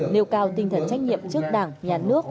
nêu cao tinh thần trách nhiệm trước đảng nhà nước